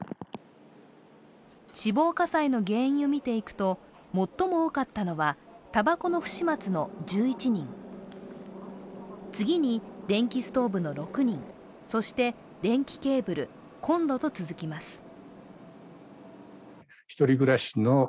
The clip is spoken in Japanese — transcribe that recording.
死亡火災の原因を見ていくと最も多かったのはたばこの不始末の１１人、次に電気ストーブの６人、そして電気ケーブル、コンロと続きます。